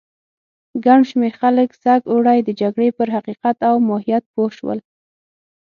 ګڼ شمېر خلک سږ اوړی د جګړې پر حقیقت او ماهیت پوه شول.